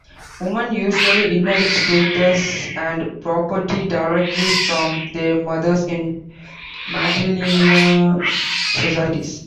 Women usually inherit status and property directly from their mothers in matrilineal societies.